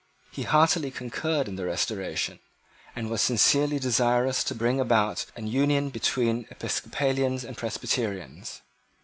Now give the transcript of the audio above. He heartily concurred in the Restoration, and was sincerely desirous to bring about an union between Episcopalians and Presbyterians.